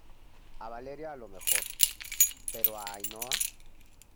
a Valeria a lo mejor, pero a Ainhoa